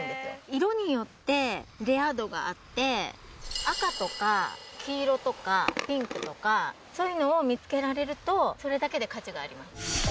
色によってレア度があって、赤とか黄色とかピンクとか、そういうのを見つけられると、それだけで価値があります。